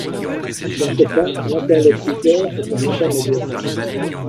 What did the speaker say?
Dans ce cas, l'interlocuteur est un intermédiaire.